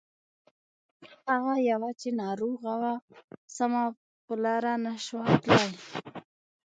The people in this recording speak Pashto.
هغه يوه چې ناروغه وه سمه په لاره نه شوه تللای.